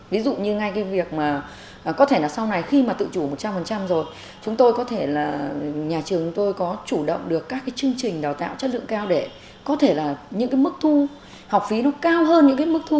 ví dụ như ngay cái việc mà có thể là sau này khi mà tự chủ một trăm linh rồi chúng tôi có thể là nhà trường của tôi có chủ động được các cái chương trình đào tạo chất lượng cao để có thể là những cái mức thu học phí nó cao hơn những cái mức thu